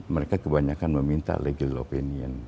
mereka kebanyakan meminta legal opinion